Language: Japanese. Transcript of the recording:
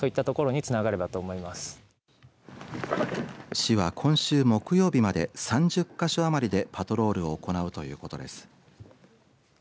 市は今週木曜日まで３０か所余りでパトロールを行うということです。